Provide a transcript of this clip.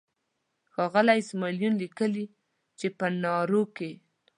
ښاغلی اسماعیل یون لیکي چې په نارو کې.